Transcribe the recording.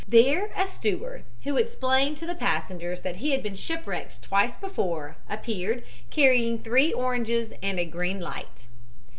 There a steward, who explained to the passengers that he had been shipwrecked twice before, appeared carrying three oranges and a green light.